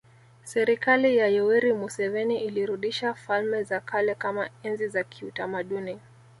Serikali ya Yoweri Museveni ilirudisha falme za kale kama enzi za kiutamaduni